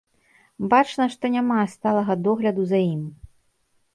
Бачна, што няма сталага догляду за ім.